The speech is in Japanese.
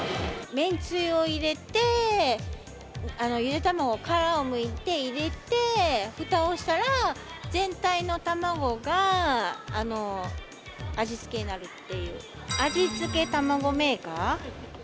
めんつゆを入れて、ゆで卵を殻をむいて入れてふたをしたら、全体の卵が味付けになるっていう。